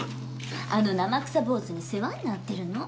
あの生臭坊主に世話になってるの。